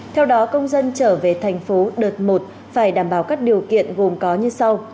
theo đó công dân trở về tp đợt một phải đảm bảo các điều kiện gồm có như sau